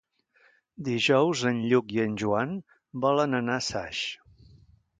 Dijous en Lluc i en Joan volen anar a Saix.